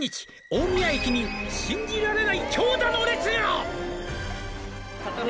「大宮駅に信じられない長蛇の列が！」